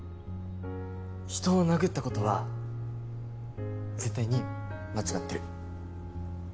人を殴った事は絶対に間違ってる。